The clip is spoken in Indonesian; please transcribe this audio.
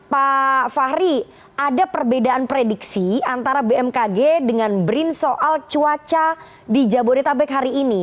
pak fahri ada perbedaan prediksi antara bmkg dengan brin soal cuaca di jabodetabek hari ini